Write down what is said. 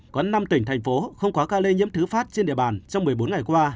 có năm tỉnh thành phố không có ca lây nhiễm thứ phát trên địa bàn trong một mươi bốn ngày qua